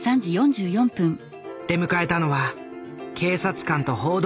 出迎えたのは警察官と報道陣ばかり。